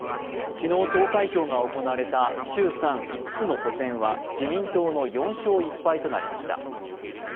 昨日投開票が行われた衆参５つの補選は自民党の４勝１敗となりました。